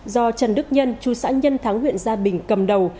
do trần đức nhân chú sãn nhân tháng nguyện gia bình cầm đầu